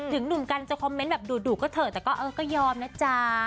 หนุ่มกันจะคอมเมนต์แบบดุก็เถอะแต่ก็เออก็ยอมนะจ๊ะ